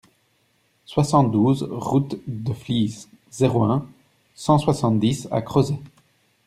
soixante-douze route de Flies, zéro un, cent soixante-dix à Crozet